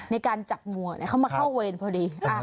ในการจับงวเนี่ยเขามาเข้าเวรพอดี